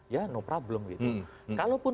ya no problem gitu kalaupun